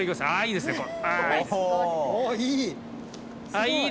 ああいい？